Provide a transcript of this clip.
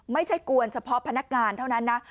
กวนเฉพาะพนักงานเท่านั้นนะ